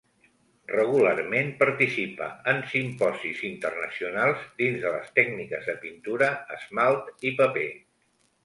Regularment participa en simposis internacionals dins de les tècniques de pintura, esmalt i paper.